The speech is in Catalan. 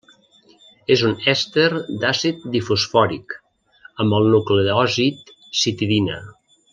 És un èster d'àcid difosfòric amb el nucleòsid citidina.